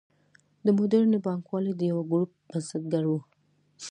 د موډرنې بانکوالۍ د یوه ګروپ بنسټګر و.